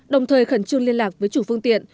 đồng thời khẩn trương liên lạc với chủ phương tiện